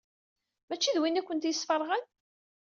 Mačči d winna i kent-yesfeṛɣen?